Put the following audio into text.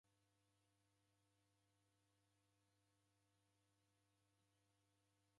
Dafunya chaw'ucha kwa ghose kwadibonyera.